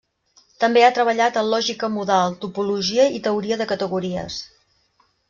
També ha treballat en lògica modal, topologia i teoria de categories.